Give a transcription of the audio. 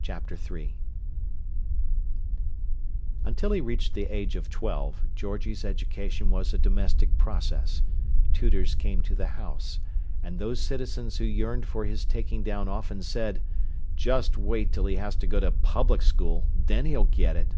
Chapter III Until he reached the age of twelve, Georgie's education was a domestic process; tutors came to the house; and those citizens who yearned for his taking down often said: "Just wait till he has to go to public school; then he'll get it!"